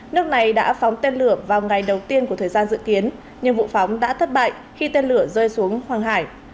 nước này đã phóng tên lửa vào ngày đầu tiên của thời gian dự kiến nhưng vụ phóng đã thất bại khi tên lửa rơi xuống hoàng hải